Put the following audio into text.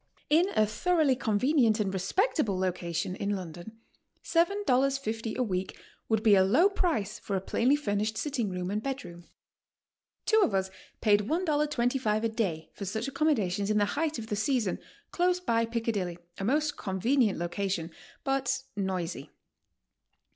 In a thoroughly convenient and respectable location in London, HOW TO STAY. US $7.50 a week would be a low price for a plainly furnished sitting room and bedroom. Two of us paid $1.25 a day for such accommodations in the height of the season, close by Piccadilly, a most convenient location, but noisy.